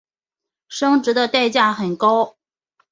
生殖的代价很高。